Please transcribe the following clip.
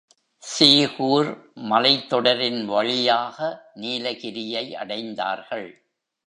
சீகூர் மலைத்தொடரின் வழியாக நீலகிரியை அடைந்தார்கள்.